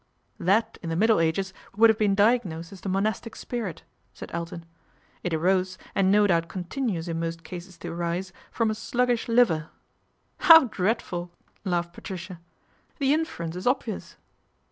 " That in the Middle Ages would have been diagnosed as the monastic spirit," said Elton. " It arose, and no doubt continues in most cases to arise from a sluggish liver." " How dreadful !" laughed Patricia. " The inference is obvious."